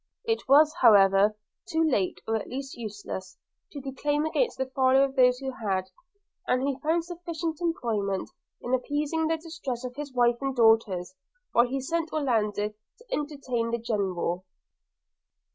It was, however, too late, or at least useless, to declaim against the folly of those who had; and he found sufficient employment in appeasing the distress of his wife and daughters, while he sent Orlando to entertain the General.